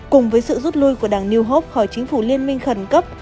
cùng với sự rút lui của đảng new hope khỏi chính phủ liên minh khẩn cấp